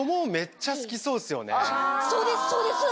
そうですそうです！